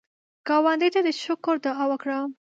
ګاونډي ته د شکر دعا وکړه